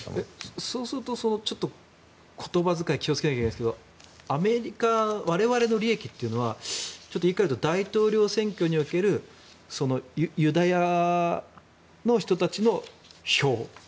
そうすると、言葉遣い気をつけなきゃいけないですけどアメリカ、我々の利益というのは言い換えると大統領選挙におけるユダヤの人たちの票。